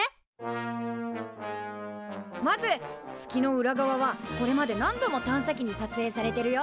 まず月の裏側はこれまで何度も探査機に撮影されてるよ。